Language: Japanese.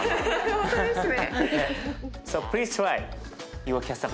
本当ですね。